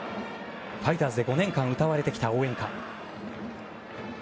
ファイターズで５年間歌われてきた応援歌。